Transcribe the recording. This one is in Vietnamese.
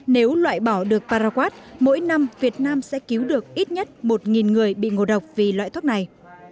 nếu loại bỏ được paraq mỗi năm việt nam sẽ cứu được ít nhất một người bị ngộ độc vì loại thuốc này